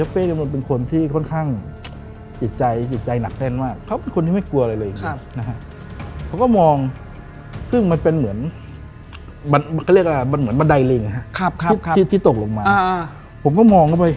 ผมก็มองแล้วไป